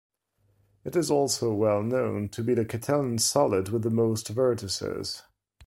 It is also well-known to be the Catalan solid with the most vertices.